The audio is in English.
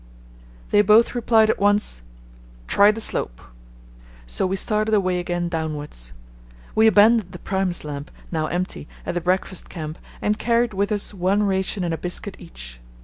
They both replied at once, "Try the slope." So we started away again downwards. We abandoned the Primus lamp, now empty, at the breakfast camp and carried with us one ration and a biscuit each.